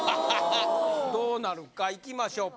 どうなるかいきましょう